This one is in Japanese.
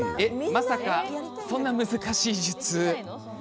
まさか、そんなに難しい術。